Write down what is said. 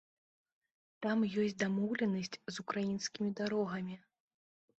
Там ёсць дамоўленасць з украінскімі дарогамі.